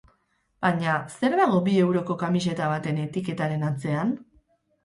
Baina, zer dago bi euroko kamiseta baten etiketaren atzean?